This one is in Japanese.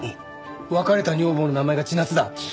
別れた女房の名前が千夏だ。